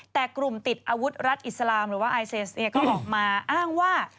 แต่กลุ่มติดอาวุธรัฐอิสลามก็ออกมาอ้างว่า